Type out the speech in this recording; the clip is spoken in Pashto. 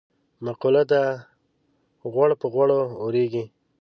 مقوله ده: غوړ په غوړو اورېږي.